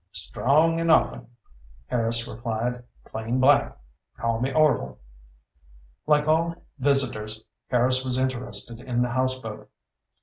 "Strong and often," Harris replied. "Plain black. Call me Orvil." Like all visitors, Harris was interested in the houseboat.